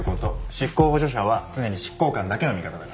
執行補助者は常に執行官だけの味方だから。